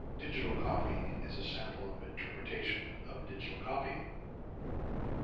Digital Copy is a sample of interpretation of digital copying.